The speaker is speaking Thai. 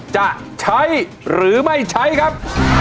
จะใช้หรือไม่ใช้ครับ